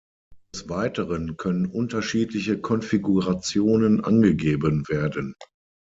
Des Weiteren können unterschiedliche Konfigurationen angegeben werden.